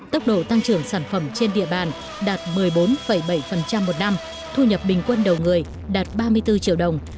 tốc độ tăng trưởng sản phẩm trên địa bàn đạt một mươi bốn bảy một năm thu nhập bình quân đầu người đạt ba mươi bốn triệu đồng